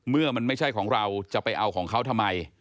เมื่อมันไม่ใช่ของเราจะไปเอาของเขาทำไม